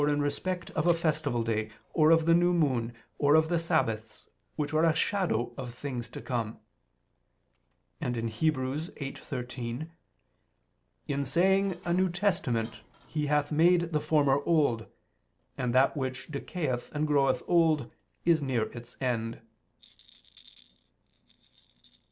judge you in meat or in drink, or in respect of a festival day, or of the new moon, or of the sabbaths, which are a shadow of things to come": and (Heb. 8:13): "In saying a new (testament), he hath made the former old: and that which decayeth and groweth old, is near its end."